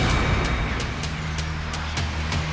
lihatlah ke fans itu sangat baik